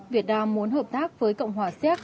việt nam muốn hợp tác với cộng hòa siếc